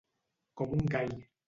Com un gall.